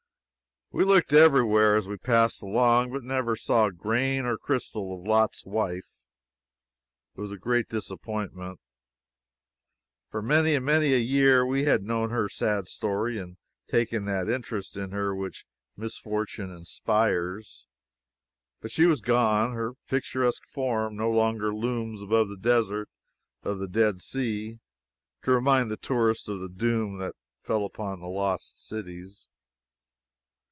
We looked every where, as we passed along, but never saw grain or crystal of Lot's wife. It was a great disappointment. For many and many a year we had known her sad story, and taken that interest in her which misfortune always inspires. But she was gone. Her picturesque form no longer looms above the desert of the Dead Sea to remind the tourist of the doom that fell upon the lost cities.